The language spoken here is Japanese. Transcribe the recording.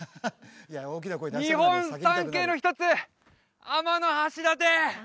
日本三景の一つ天橋立！